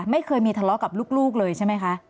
ไม่เคยมีทะเลาะกับลูกเลยใช่ไหมคะ